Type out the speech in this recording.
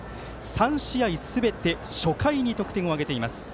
３試合すべて初回に得点を挙げています。